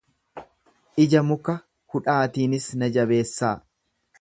ija muka hudhaatiinis na jabeessaa!